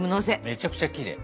めちゃくちゃきれい。